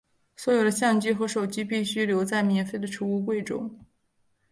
所有的相机和手机必须留在免费的储物柜中。